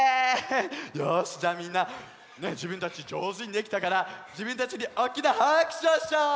よしじゃあみんなじぶんたちじょうずにできたからじぶんたちにおっきなはくしゅをしちゃおう！